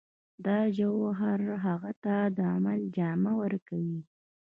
دا جوهر هغه ته د عمل جامه ورکوي